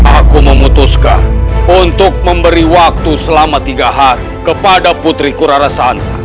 aku memutuskan untuk memberi waktu selama tiga hari kepada putriku rarasan